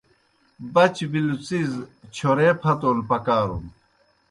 بچ بِلوْ څِیز چھورے پھتَون پکارُن۔